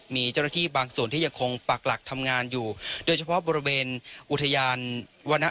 มีเจ้าหน้าที่บางส่วนที่ยังคงปักหลักทำงานอยู่โดยเฉพาะบริเวณอุทยานวรรณ